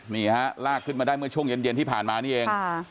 นี่ฮะลากขึ้นมาได้เมื่อช่วงเย็นที่ผ่านมานี่เอง